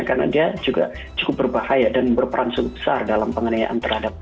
karena dia juga cukup berbahaya dan berperan besar dalam pengenayaan terhadap david